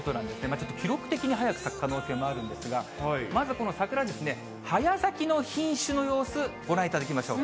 ちょっと記録的に早く咲く可能性もあるんですが、まずこの桜、早咲きの品種の様子、ご覧いただきましょう。